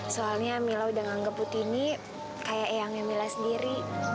soalnya mila udah nganggep putini kayak eangnya mila sendiri